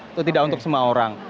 itu tidak untuk semua orang